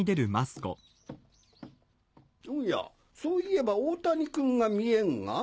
おやそういえば大谷君が見えんが。